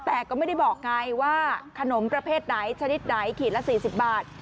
แต่ก็ไม่ได้บอกไงว่าขนมประเภทไหนชนิดไหนขีดละ๔๐บาท